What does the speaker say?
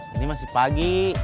ini masih pagi